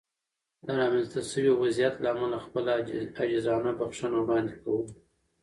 د رامنځته شوې وضعیت له امله خپله عاجزانه بښنه وړاندې کوم.